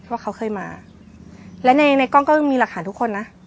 ว่าเขาเคยมาและในในกล้องก็มีหลักฐานทุกคนนะ